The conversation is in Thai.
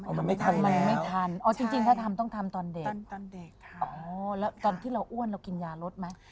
มันไม่ทันแล้วใช่ตอนเด็กค่ะอ๋อแล้วตอนที่เราอ้วนเรากินยารสไหม